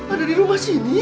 ada di rumah sini